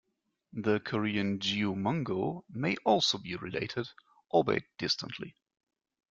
The Korean "geomungo" may also be related, albeit distantly.